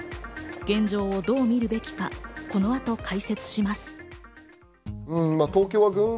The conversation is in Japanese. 現状をどう見るべきか、この後、解説します。